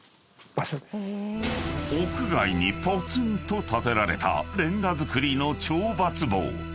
［屋外にぽつんと建てられたれんが造りの懲罰房］